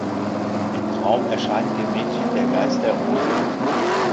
Im Traum erscheint dem Mädchen der Geist der Rose.